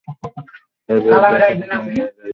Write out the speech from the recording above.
তার বিরুদ্ধে একাধিক মামলা রয়েছে।